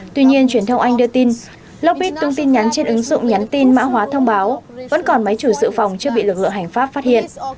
tuy nhiên truyền thông anh đưa tin lockpick tung tin nhắn trên ứng dụng nhắn tin mã hóa thông báo vẫn còn máy chủ dự phòng chưa bị lực lượng hành pháp phát hiện